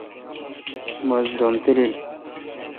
بس ڈوم تلیل ۔